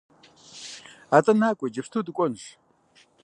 АтӀэ накӀуэ иджыпсту дыкӀуэнщ.